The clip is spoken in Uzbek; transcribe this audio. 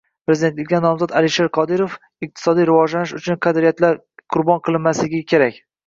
Prezidentlikka nomzod Alisher Qodirov: “Iqtisodiy rivojlanish uchun qadriyatlar qurbon qilinmasligi kerak”